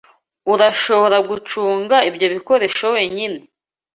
Urashobora gucunga ibyo bikoresho wenyine?